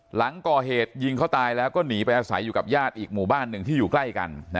หลังก่อเหตุยิงเขาตายแล้วก็หนีไปอาศัยอยู่กับญาติอีกหมู่บ้านหนึ่งที่อยู่ใกล้กัน